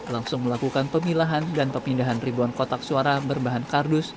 langsung melakukan pemilahan dan pemindahan ribuan kotak suara berbahan kardus